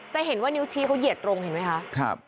จะเห็นว่านิ้วชี้เขาเหยียดตรงเห็นไหมคะ